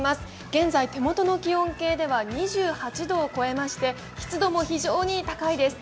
現在、手元の気温計では２８度を超えまして湿度も非常に高いです。